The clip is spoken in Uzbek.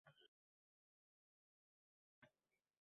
Gazsiz, o'tin va nonsiz...